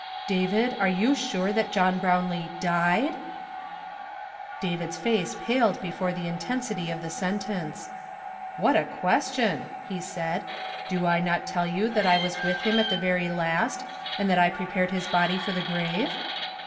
"David, are you sure that John Brownlee died?'' Bit; 162 YESTERDAY FRAMED IN TO DAY. H David's face paled before the intensity of the sentence. "What a question !" he said. "Do I not tell you thict I was with him at tho vjiy last, and that I pi epared his body for the gvaxe